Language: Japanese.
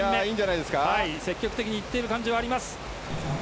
積極的にいっている感じはあります。